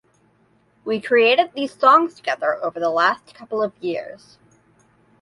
We created these songs together over the last couple of years.